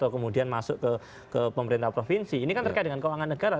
ke pemerintah provinsi ini kan terkait dengan keuangan negara